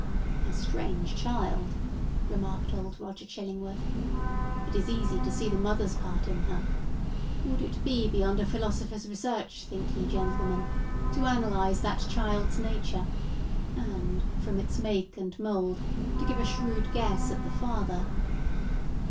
"A strange child!" remarked old Roger Chillingworth. "It is easy to see the mother's part in her. Would it be beyond a philosopher's research, think ye, gentlemen, to analyse that child's nature, and, from it make a mould, to give a shrewd guess at the father?"